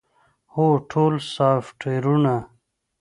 هو، ټول سافټویرونه